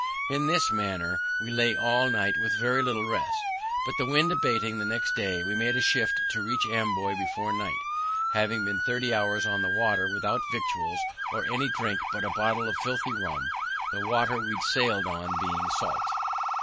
In this manner we lay all night, with very little rest; but, the wind abating the next day, we made a shift to reach Amboy before night, having been thirty hours on the water, without victuals, or any drink but a bottle of filthy rum, and the water we sail'd on being salt.